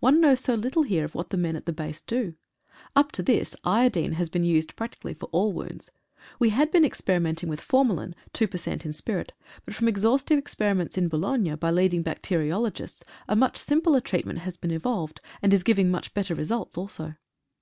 One knows so little here of what the men at the base do. Up to this iodine has been used practically for all wounds. We had been experimenting with formalin, two per cent in spirit, but from exhaustive experiments in Boulogne by leading bacteriologists a much simpler treatment has been evolved, and it is giving much better results also.